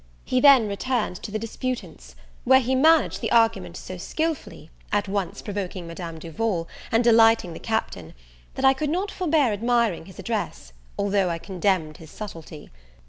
He then returned to the disputants; where he managed the argument so skilfully, at once provoking Madame Duval, and delighting the Captain, that I could not forbear admiring his address, though I condemned his subtlety.